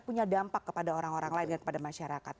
punya dampak kepada orang orang lain dan kepada masyarakat